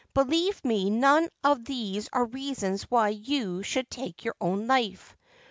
Believe me, none of these are reasons why yo should take your own life.